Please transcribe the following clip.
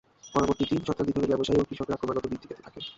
পরবর্তী তিন শতাব্দী ধরে ব্যবসায়ী ও কৃষকরা ক্রমাগত বৃদ্ধি পেতে থাকে।